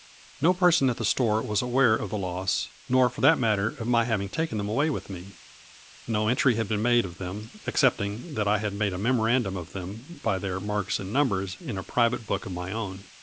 No person at the store was aware of the loss, nor for that matter of my having taken them away with me. No entry had been made of them, excepting that I had made a memoran dum of them, by their marks and numbers, in a private book of my own.